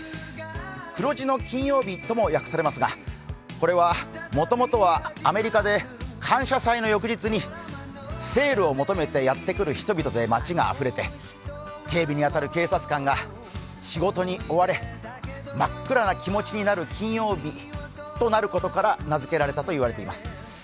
黒字の金曜日とも訳されますがこれはもともとはアメリカで感謝祭の翌日にセールを求めてやってくる人々で街があふれて警備に当たる警察官が仕事に追われ真っ暗な気持ちになる金曜日となることから名付けられたと言われています。